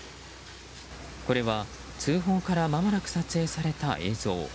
これは、通報から間もなく撮影された映像。